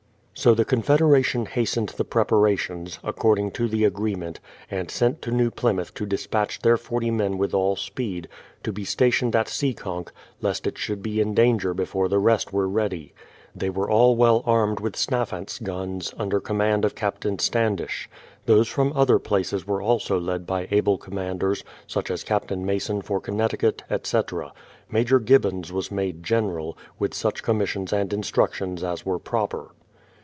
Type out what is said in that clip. THE PLYMOUTH SETTLEMENT 33^ So the confederation hastened the preparations, according to the agreement, and sent to New Plymouth to despatch their 40 men with all speed, to be stationed at Seekonk, lest it should be in danger before the rest were ready. They were all well armed with snaphance guns, under command of Captain Standish. Those from other places were also led by able commanders, such as Captain Mason for Con necticut, etc. Major Gibbons was made General, with such commissions and instructions as were proper.